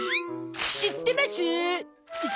知ってます。